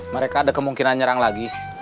mereka ada kemungkinan nyerang lagi